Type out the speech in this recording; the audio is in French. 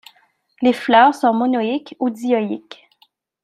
Les fleurs sont monoïques ou dioïques.